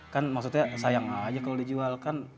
kan maksudnya sayang aja kalau dijual kan